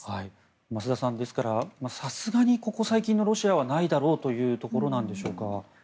増田さん、ですからさすがにここ最近のロシアはないだろうというところなんでしょうか。